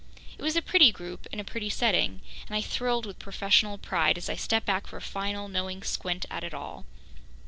It was a pretty group in a pretty setting, and I thrilled with professional pride as I stepped back for a final, knowing squint at it all.